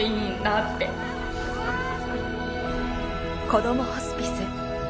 こどもホスピス。